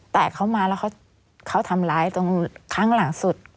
แต่เขามาแล้วเขาทำร้ายตรงครั้งหลังสุด